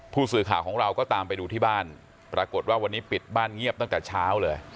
ผู้สื่อข่าวของเราก็ตามไปดูที่บ้านปรากฏว่าวันนี้ปิดบ้านเงียบตั้งแต่เช้าเลย